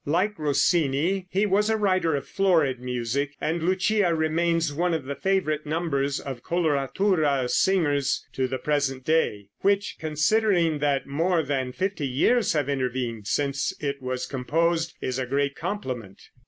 Like Rossini he was a writer of florid music, and "Lucia" remains one of the favorite numbers of coloratura singers to the present day, which, considering that more than fifty years have intervened since it was composed, is a great compliment.